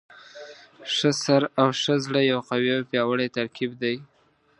ښه سر او ښه زړه یو قوي او پیاوړی ترکیب دی.